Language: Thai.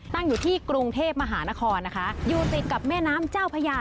อยู่ที่กรุงเทพมหานครนะคะอยู่ติดกับแม่น้ำเจ้าพญา